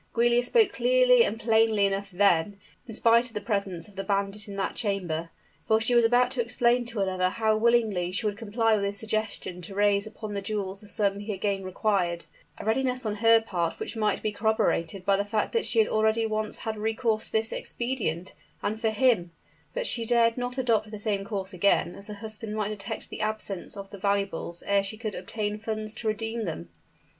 Giulia spoke clearly and plainly enough then in spite of the presence of the bandit in that chamber; for she was about to explain to her lover how willingly she would comply with his suggestion to raise upon the jewels the sum he again required a readiness on her part which might be corroborated by the fact that she had already once had recourse to this expedient, and for him but she dared not adopt the same course again, as her husband might detect the absence of the valuables ere she could obtain funds to redeem them.